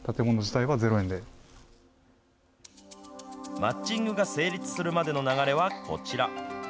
マッチングが成立するまでの流れはこちら。